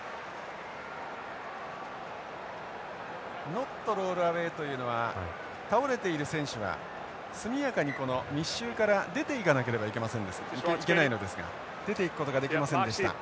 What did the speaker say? ノットロールアウェイというのは倒れている選手は速やかにこの密集から出ていかなければいけないのですが出ていくことができませんでした。